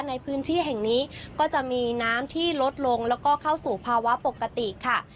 ในพื้นที่แห่งนี้ก็จะมีน้ำที่ลดลงแล้วก็เข้าสู่ภาวะปกติค่ะ